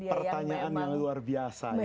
pertanyaan yang luar biasa